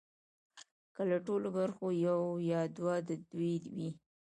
که له ټولو برخو یو یا دوه د دوی وي